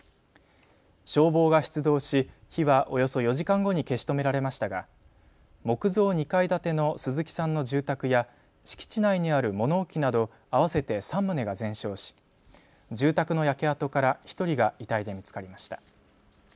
消防が出動し火はおよそ４時間後に消し止められましたが木造２階建ての鈴木さんの住宅や敷地内にある物置など合わせて３棟が全焼し、住宅の焼け跡から１人が遺体で見つかりました。